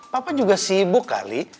papa juga sibuk kali